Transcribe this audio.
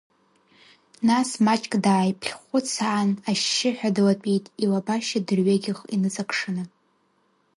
Нас маҷк дааиԥхьхәыцаан, ашьшьыҳәа длатәеит, илабашьа дырҩегьх иныҵакшаны.